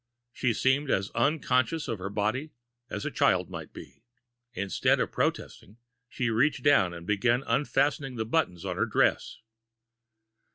She seemed as unconscious of her body as a child might be. Instead of protesting, she reached down and began unfastening the buttons on her dress.